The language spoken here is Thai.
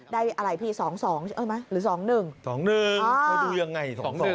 ได้อะไรพี่๒๒ใช่ไหมหรือ๒๑๒๑เธอดูยังไง๒๑